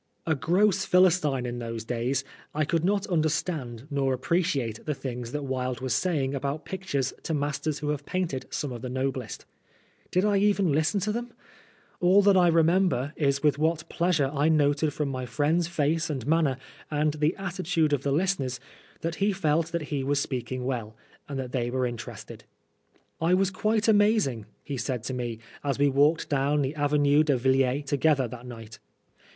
A gross Philistine in those days, I could not understand nor appreciate the things that Wilde was saying about pictures to masters who have painted some of the noblest. Did I even listen to them ? All that I remember 18 Oscar Wilde is with what pleasure I noted from my friend's face and manner, and the attitude of the listeners, that he felt that he was speaking well, and that they were in terested. " I was quite amazing," he said to me, as we walked down the Avenue de Villiers together that night.